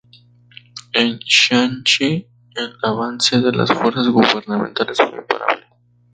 En Jiangxi, el avance de las fuerzas gubernamentales fue imparable.